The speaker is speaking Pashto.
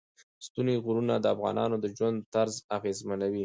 ستوني غرونه د افغانانو د ژوند طرز اغېزمنوي.